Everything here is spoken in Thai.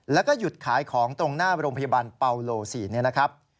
แล้วก็หยุดขายของตรงหน้าโรงพยาบาลเปาโล๔เนี่ยนะครับ